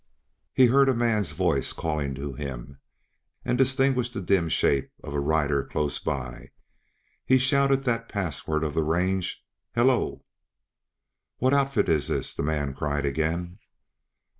He heard a man's voice calling to him, and distinguished the dim shape of a rider close by. He shouted that password of the range, "Hello!" "What outfit is this?" the man cried again.